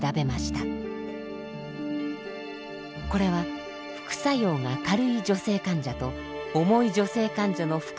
これは副作用が軽い女性患者と重い女性患者の腹部の断面。